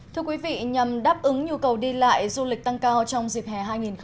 thưa quý vị nhằm đáp ứng nhu cầu đi lại du lịch tăng cao trong dịp hè hai nghìn hai mươi bốn